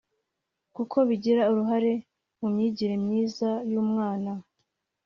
kuko bigira uruhare mu myigire myiza y’umwana